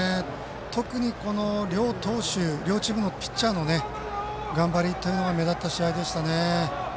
特に、両チームのピッチャーの頑張りというのが目立った試合でしたね。